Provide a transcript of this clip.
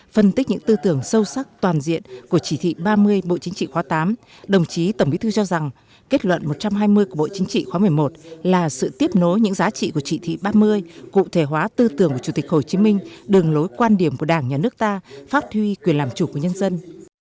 phân tích những tư tưởng sâu sắc toàn diện của chỉ thị ba mươi bộ chính trị khóa tám đồng chí tổng bí thư cho rằng kết luận một trăm hai mươi của bộ chính trị khóa một mươi một là sự tiếp nối những giá trị của chỉ thị ba mươi cụ thể hóa tư tưởng của chủ tịch hồ chí minh đường lối quan điểm của đảng nhà nước ta phát huy quyền làm chủ của nhân dân